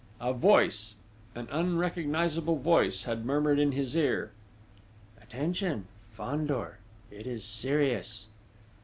A voice an unrecognisable voice had murmured in his ear: "Attention! Fandor!... It is serious!..."